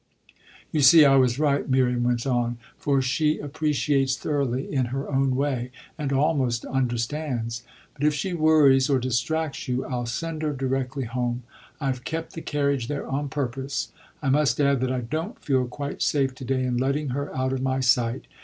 "You see I was right," Miriam went on; "for she appreciates thoroughly, in her own way, and almost understands. But if she worries or distracts you I'll send her directly home I've kept the carriage there on purpose. I must add that I don't feel quite safe to day in letting her out of my sight.